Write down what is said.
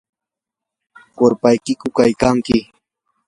¿qurpayyuqku kaykanki?